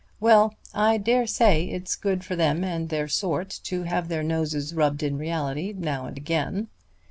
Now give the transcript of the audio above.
Well, I dare say it's good for them and their sort to have their noses rubbed in reality now and again.